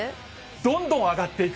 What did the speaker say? どんどん上がっていく。